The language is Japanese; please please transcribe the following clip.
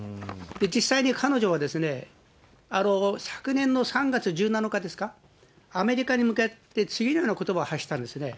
実際に彼女は、昨年の３月１７日ですか、アメリカに向けて次のようなことばを発したんですね。